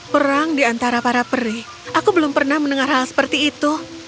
perang di antara para perih aku belum pernah mendengar hal seperti itu